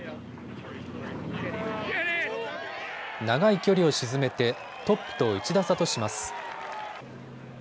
長い距離を沈めてトップと１打差とします。